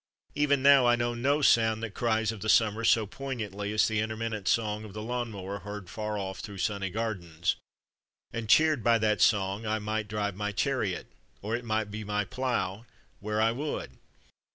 Even now I know no sound that cries of the summer so poignantly as the intermittent song of the lawn mower heard far off through sunny gardens. And cheered by that song I might drive my chariot, or it might be my plough, where I would.